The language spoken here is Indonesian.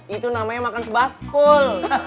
itu namanya makan sebakul